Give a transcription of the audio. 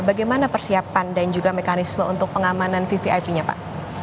bagaimana persiapan dan juga mekanisme untuk pengamanan vvip nya pak